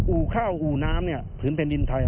อู่ข้าวอู่น้ำเนี่ยผืนแผ่นดินไทย